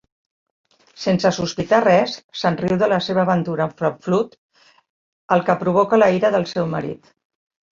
Sense sospitar res, se'n riu de la seva aventura amb Frau Fluth, el que provoca la ira del seu marit.